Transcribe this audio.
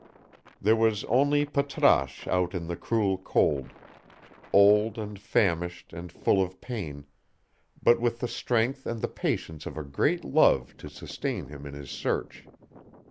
There was only Patrasche out in the cruel cold old and famished and full of pain, but with the strength and the patience of a great love to sustain him in his search.